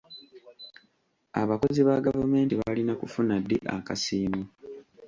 Abakozi ba gavumenti balina kufuna ddi akasiimo?